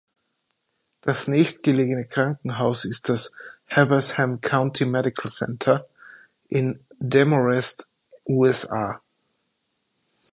Das nächstgelegene Krankenhaus ist das Habersham County Medical Center in Demorest, USA.